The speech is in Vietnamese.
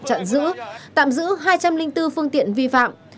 chặn giữ tạm giữ hai trăm linh bốn phương tiện vi phạm